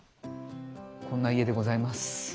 こんな家でございます。